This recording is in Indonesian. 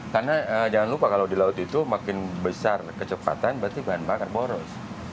karena jangan lupa kalau di laut itu makin besar kecepatan berarti bahan makan boros